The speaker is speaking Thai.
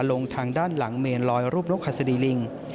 ลงทางด้านหลังเมนลอยรูปนกหัสดีลิง